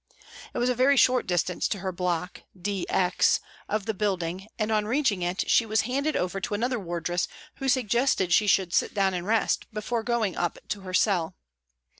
It was a very short distance to her block (D X) of the building and on reaching it she was handed over to another wardress who suggested she should sit down and rest before going up to her cell.